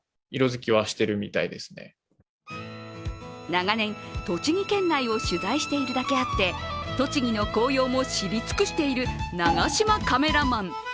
長年、栃木県内を取材しているだけあって、栃木の紅葉も知り尽くしている長島カメラマン。